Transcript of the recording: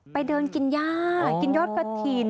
ไปเดินกินย่ากินยอดกระถิ่น